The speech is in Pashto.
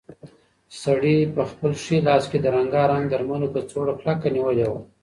سړي په خپل ښي لاس کې د رنګارنګ درملو کڅوړه کلکه نیولې وه.